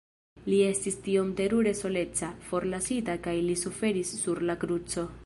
Li estis tiom terure soleca, forlasita kaj li suferis sur la kruco..